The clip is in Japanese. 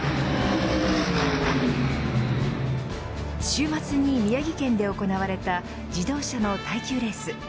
週末に宮城県で行われた自動車の耐久レース。